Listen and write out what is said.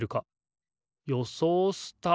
よそうスタート！